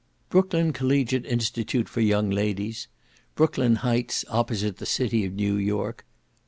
Brooklyn Collegiate Institute for Young Ladies, Brooklyn Heights, opposite the City of New York.